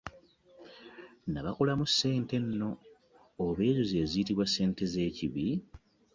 Nabakolamu ssente nno! Oba ezo ze ziyitibwa ssente z'ekibi?